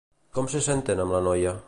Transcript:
Com se senten amb la noia?